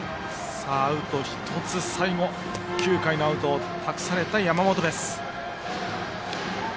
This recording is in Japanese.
さあ、アウト１つ、最後９回のアウトを託された山本です。